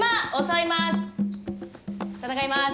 戦います。